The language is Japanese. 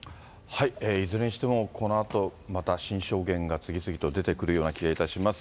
いずれにしてもこのあと、また新証言が次々と出てくるような気がいたします。